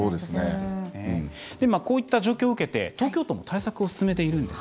こういった状況を受けて東京都も対策を進めているんです。